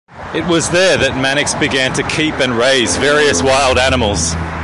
It was there that Mannix began to keep and raise various wild animals.